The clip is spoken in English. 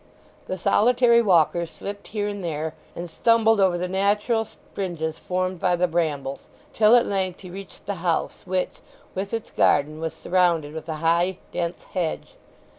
The solitary walker slipped here and there, and stumbled over the natural springes formed by the brambles, till at length he reached the house, which, with its garden, was surrounded with a high, dense hedge.